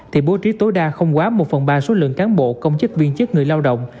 thì bố trí tối đa không quá một phần ba số lượng cán bộ công chức viên chức người lao động